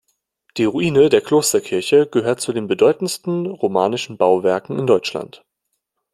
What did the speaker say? Die Ruine der Klosterkirche gehört zu den bedeutendsten romanischen Bauwerken in Deutschland.